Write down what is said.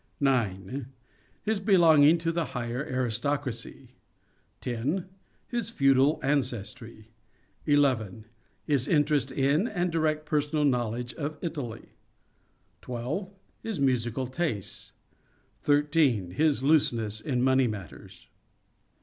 9. His belonging to the higher aristocracy. 10. His feudal ancestry. 11. His interest in and direct personal knowledge of Italy. 12. His musical tastes. 13. His looseness in money matters.